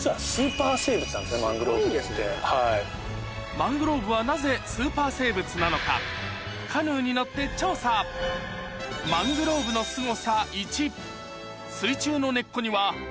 マングローブはなぜスーパー生物なのかカヌーに乗って調査ホントにそうですね。